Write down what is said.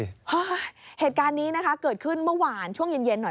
ฮะเหตุการณ์นี้นะคะเกิดขึ้นเมื่อวานช่วงเย็นเย็นหน่อย